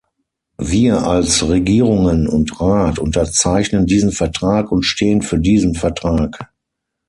Wir als Regierungen und Rat unterzeichnen diesen Vertrag und stehen für diesen Vertrag.